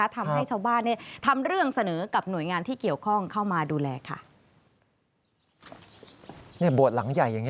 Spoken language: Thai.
ทำให้ชาวบ้านทำเรื่องเสนอกับหน่วยงานที่เกี่ยวข้องเข้ามาดูแลค่ะ